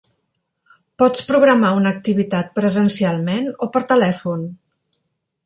Pots programar una activitat presencialment o per telèfon.